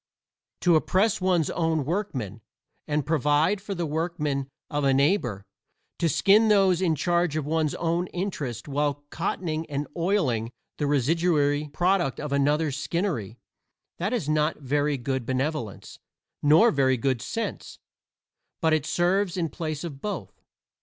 To oppress one's own workmen, and provide for the workmen of a neighbor to skin those in charge of one's own interests while cottoning and oiling the residuary product of another's skinnery that is not very good benevolence, nor very good sense, but it serves in place of both.